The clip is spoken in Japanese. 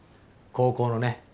高校のね。